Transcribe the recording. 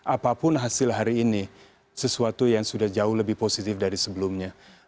apapun hasil hari ini sesuatu yang sudah jauh lebih positif dari sebelumnya